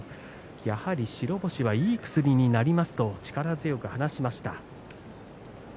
やはり白星はいい薬になりますと力強く話しました。